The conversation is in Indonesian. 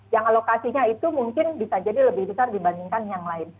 yang alokasinya itu mungkin bisa jadi lebih besar dibandingkan yang lain